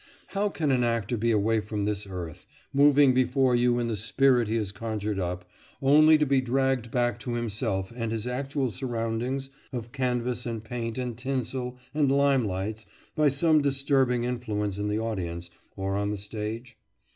How can an actor be away from this earth, moving before you in the spirit he has conjured up, only to be dragged back to himself and his actual surroundings of canvas and paint and tinsel and limelights by some disturbing influence in the audience or on the stage?